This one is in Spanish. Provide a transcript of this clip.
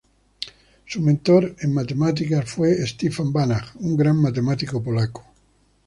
Su mentor en matemática fue Stefan Banach, un gran matemático polaco.